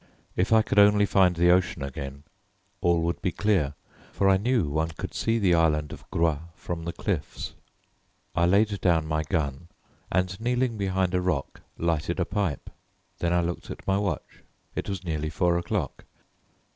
If I could only find the ocean again all would be clear, for I knew one could see the island of Groix from the cliffs. I laid down my gun, and kneeling behind a rock lighted a pipe. Then I looked at my watch. It was nearly four o'clock.